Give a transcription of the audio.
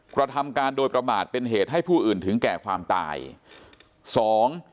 กระทำการโดยประมาทเป็นเหตุให้ผู้อื่นถึงแก่ความตายสอง